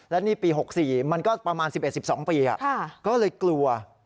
และนี่ปี๖๔มันก็ประมาณ๑๑๑๒ปีก็เลยกลัว